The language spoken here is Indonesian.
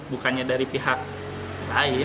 bukannya dari pihak lain